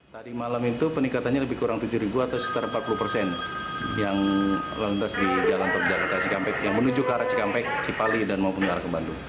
tadi malam itu peningkatannya lebih kurang tujuh atau sekitar empat puluh persen yang lalu lintas di jalan tol jakarta cikampek yang menuju ke arah cikampek cipali dan maupun ke arah ke bandung